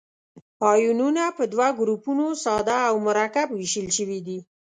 آیونونه په دوه ګروپو ساده او مرکب ویشل شوي دي.